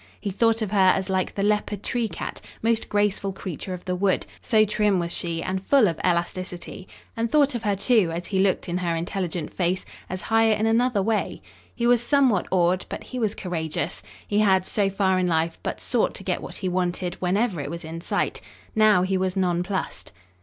He thought of her as like the leopard tree cat, most graceful creature of the wood, so trim was she and full of elasticity, and thought of her, too, as he looked in her intelligent face, as higher in another way. He was somewhat awed, but he was courageous. He had, so far in life, but sought to get what he wanted whenever it was in sight. Now he was nonplussed.